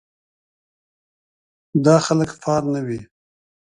دا خلک فعال نه وي.